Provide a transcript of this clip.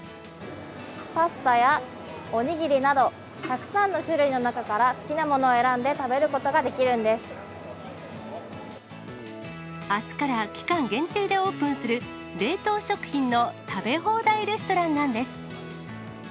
パスタやお握りなど、たくさんの種類の中から好きなものを選んで食べることができるんあすから期間限定でオープンする、冷凍食品の食べ放題レストランなんです。